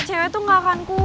cewek tuh gak akan kuat